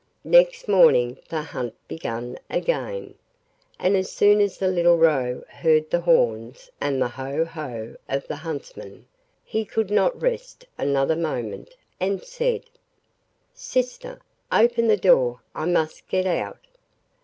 Next morning the hunt began again, and as soon as the little Roe heard the horns and the 'Ho! ho!' of the huntsmen, he could not rest another moment, and said: 'Sister, open the door, I must get out.